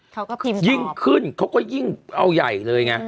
เพราะยิ่งขึ้นเค้าก็เอาใหญ่เลย